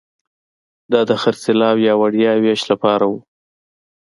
دا د خرڅلاو یا وړیا وېش لپاره وو